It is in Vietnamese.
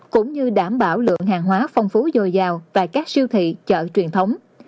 cũng như đảm bảo lượng hàng hóa phong phú dồi dào tại các siêu thị chợ truyền thống